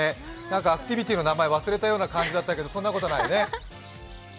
アクティビティの名前忘れたような感じだったけど、そんなことないよね？